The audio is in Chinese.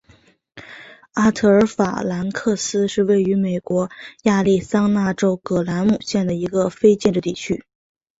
里特尔法兰克斯是位于美国亚利桑那州葛兰姆县的一个非建制地区。